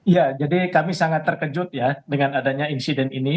ya jadi kami sangat terkejut ya dengan adanya insiden ini